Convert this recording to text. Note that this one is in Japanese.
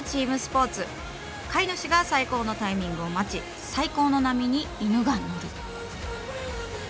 飼い主が最高のタイミングを待ち最高の波に犬が乗る。